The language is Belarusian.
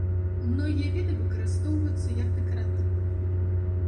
Многія віды выкарыстоўваюцца як дэкаратыўныя.